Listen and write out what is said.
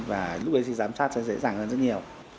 và lúc ấy thì giám sát sẽ dễ dàng hơn rất nhiều